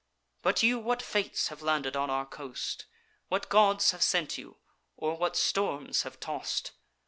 But you, what fates have landed on our coast? What gods have sent you, or what storms have toss'd?